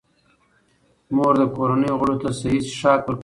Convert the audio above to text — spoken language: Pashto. مور د کورنۍ غړو ته صحي څښاک ورکوي.